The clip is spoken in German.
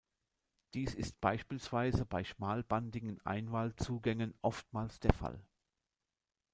Dies ist beispielsweise bei schmalbandigen Einwahl-Zugängen oftmals der Fall.